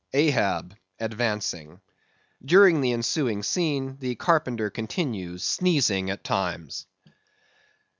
AHAB (advancing). (_During the ensuing scene, the carpenter continues sneezing at times.